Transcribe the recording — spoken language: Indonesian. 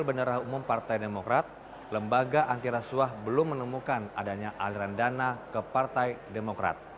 bendera umum partai demokrat lembaga antirasuah belum menemukan adanya aliran dana ke partai demokrat